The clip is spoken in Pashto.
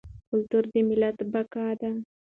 کلتور د ملت بقا ده.